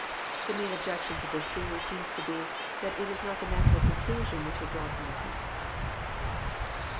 The main objection to this theory seems to be, that it is not the natural conclusion we should draw from the text.